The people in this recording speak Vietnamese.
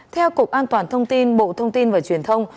theo cục an toàn thông tin bộ thông tin và truyền thông